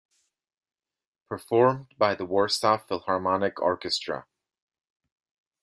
Performed by the Warsaw Philharmonic Orchestra.